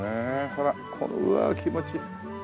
ほらこのうわあ気持ちいい。